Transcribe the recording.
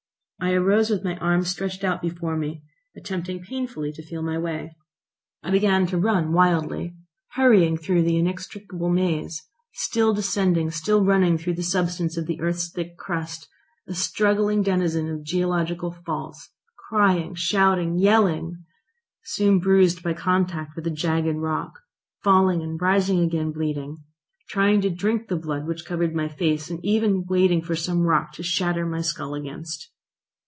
I arose with my arms stretched out before me, attempting painfully to feel my way. I began to run wildly, hurrying through the inextricable maze, still descending, still running through the substance of the earth's thick crust, a struggling denizen of geological 'faults,' crying, shouting, yelling, soon bruised by contact with the jagged rock, falling and rising again bleeding, trying to drink the blood which covered my face, and even waiting for some rock to shatter my skull against.